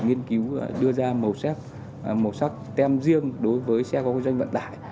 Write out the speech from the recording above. nghiên cứu đưa ra màu sắc tem riêng đối với xe có kinh doanh vận tải